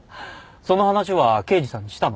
その話は刑事さんにしたの？